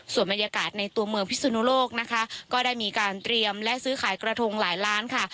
ส่วนบรรยากาศในตัวเมืองพิสุนุโลกนะคะก็ได้มีการเตรียมและซื้อขายกระทงหลายล้านค่ะ